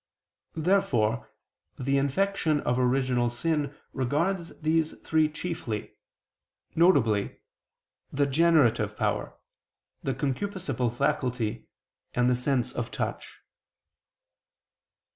Therefore the infection of original sin regards these three chiefly, viz. the generative power, the concupiscible faculty and the sense of touch.